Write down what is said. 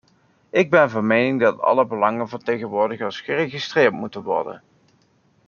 Ik ben van mening dat alle belangenvertegenwoordigers geregistreerd moeten worden.